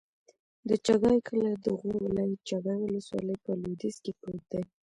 د چاګای کلی د غور ولایت، چاګای ولسوالي په لویدیځ کې پروت دی.